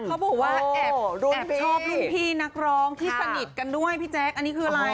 เขาบอกว่าแอบชอบรุงพี่นักร้องที่สนิทกันด้วยพี่แจ๊ค